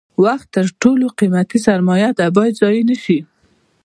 وخت تر ټولو قیمتي سرمایه ده باید ضایع نشي.